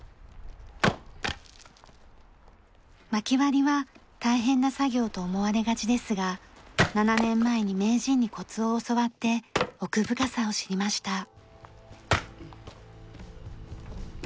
薪割りは大変な作業と思われがちですが７年前に名人にコツを教わって奥深さを知りました。